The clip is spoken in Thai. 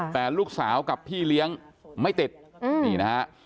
แต่ลูกสาวกับพี่เลี้ยงไม่ติดนี่นะฮะ